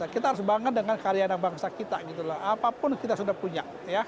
kita harus bangga dengan karyana bangsa kita apapun kita sudah punya